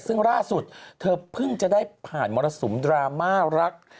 ซึ่งล่าสุดเธอเพิ่งจะได้ผ่านมรสุมดราม่ารัก